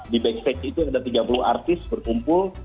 di backstage itu ada tiga puluh artis berkumpul